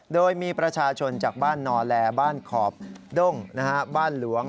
โดยมีประชาชนจากบ้านนอแลบ้านขอบด้งบ้านหลวง